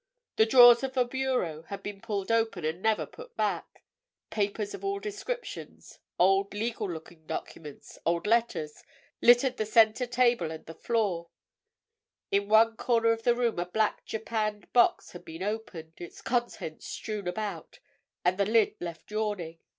The drawers of a bureau had been pulled open and never put back; papers of all descriptions, old legal looking documents, old letters, littered the centre table and the floor; in one corner of the room a black japanned box had been opened, its contents strewn about, and the lid left yawning.